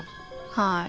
はい。